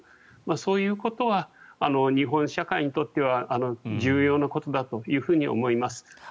そういうことは日本社会にとっては重要なことだと思います。